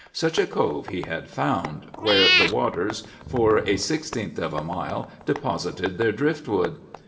Such a cove he had found, where the waters for a sixteenth of a mile deposited their driftwood.